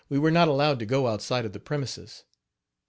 We were not allowed to go outside of the premises.